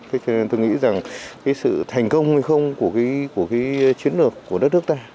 thế nên tôi nghĩ rằng sự thành công hay không của chiến lược của đất nước ta